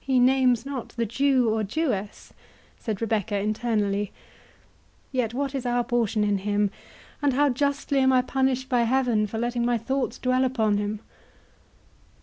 "He names not the Jew or Jewess," said Rebecca internally; "yet what is our portion in him, and how justly am I punished by Heaven for letting my thoughts dwell upon him!"